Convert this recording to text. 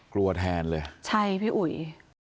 กลัวแทนเลยใช่พี่อุ๋ย